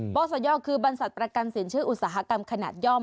ศยคือบรรษัทประกันสินเชื่ออุตสาหกรรมขนาดย่อม